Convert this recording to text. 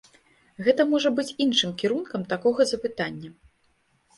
Гэта можна быць іншым кірункам такога запытання.